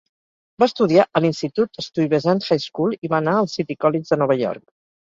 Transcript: Va estudiar a l'institut Stuyvesant High School i va anar al City College de Nova York.